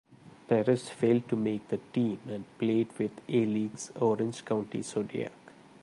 Perez failed to make the team and played with A-League's Orange County Zodiac.